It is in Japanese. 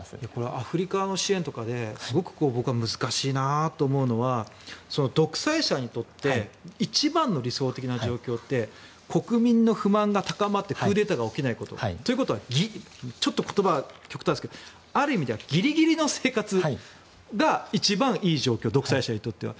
アフリカの支援とかですごく、僕が難しいなと思うのは独裁者にとって一番の理想的な状況って国民の不満が高まってクーデターが起きないこと。ということはちょっと言葉は極端ですがある意味ではギリギリの生活が一番いい状況独裁者にとっては。